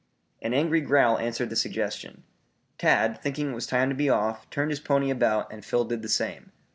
An angry growl answered the suggestion. Tad thinking it was time to be off, turned his pony about and Phil did the same.